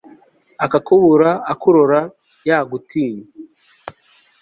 akakubura akurora yagutinye